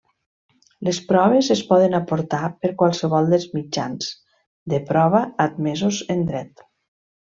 Les proves es poden aportar per qualsevol dels mitjans de prova admesos en dret.